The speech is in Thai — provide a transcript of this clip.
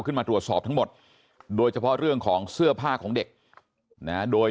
ขึ้นมาตรวจสอบทั้งหมดโดยเฉพาะเรื่องของเสื้อผ้าของเด็กนะโดย